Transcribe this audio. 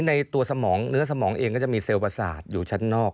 ในตัวสมองเนื้อสมองเองก็จะมีเซลลประสาทอยู่ชั้นนอก